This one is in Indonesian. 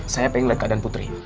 saya pengen lihat keadaan putri